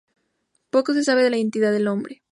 Poco se sabe de la identidad del hombre.